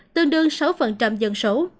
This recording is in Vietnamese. tương đương sáu dân số